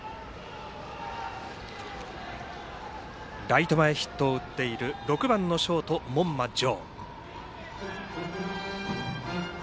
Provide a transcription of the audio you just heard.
ライト前ヒットを打っている６番のショート、門間丈。